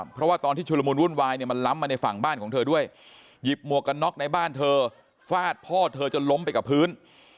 เพราะว่าตอนที่ชุลมุนวุ่นวายเนี่ยมันล้ำมาในฝั่งบ้านของเธอด้วยหยิบหมวกกันน็อกในบ้านเธอฟาดพ่อเธอจนล้มไปกับพื้น